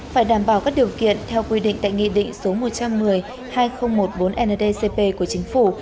phải đảm bảo các điều kiện theo quy định tại nghị định số một trăm một mươi hai nghìn một mươi bốn ndcp của chính phủ